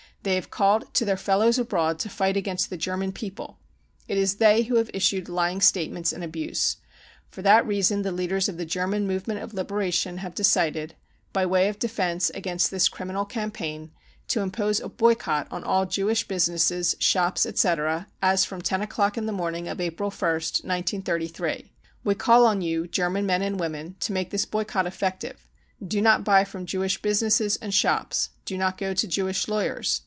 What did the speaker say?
They have called to their fellows abroad to fight against the German people. It is they who have issued lying state ments and abuse. For that reason the leaders of the German movement of liberation have decided, by way of defence against this criminal campaign, to impose a boycott on all Jewish businesses, shops, etc., as from ten o'clock in the morning of April ist, 1933. We call on you German men and women to make this boycott effective. Do not buy from Jewish businesses and shops ! Do not go to Jewish lawyers